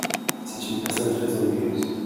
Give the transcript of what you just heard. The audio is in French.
C'est une personne très ennuyeuse.